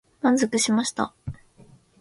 満足しました。